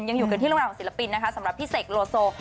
ยังอยู่กันที่เรื่องราวของศิลปินนะคะสำหรับพี่เสกโลโซ